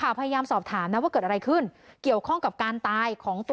วันตอน๓ทุ่มเดี๋ยวโทรไปเป็นไง